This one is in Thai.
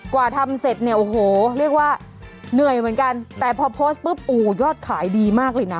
กว่าทำเสร็จเนี่ยโอ้โหเรียกว่าเหนื่อยเหมือนกันแต่พอโพสต์ปุ๊บโอ้ยอดขายดีมากเลยนะ